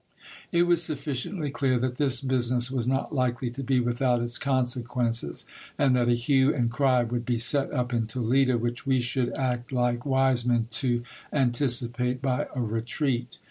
It was sufficiently clear that this business was not likely to be without its con sequences, and that a hue and cry would be set up in Toledo, which we should act like wise men to anticipate by a retreat.